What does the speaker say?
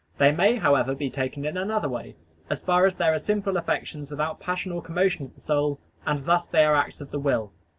They may, however, be taken in another way, as far as they are simple affections without passion or commotion of the soul, and thus they are acts of the will.